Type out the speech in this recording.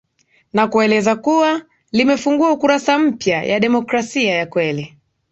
na kueleza kuwa limefungua kurasa mpya ya demokrasi ya kweli